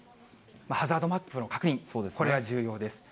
ハザードマップの確認、これは重要です。